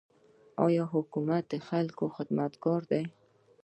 آیا حکومت د خلکو خدمتګار دی؟